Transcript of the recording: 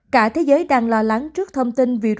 cả thế giới đang lo lắng trước thông tin covid một mươi chín